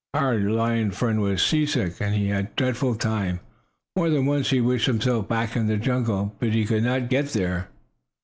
Our lion friend was seasick, and he had a dreadful time. More than once he wished himself back in the jungle, but he could not get there.